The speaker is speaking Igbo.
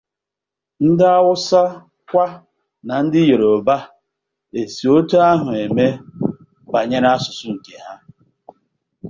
Ndi Awụsa kwa na ndi Yoruba e si otu ahụ eme banyere asụsụ nke ha?